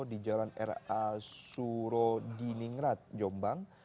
di jalan ra suro diningrat jombang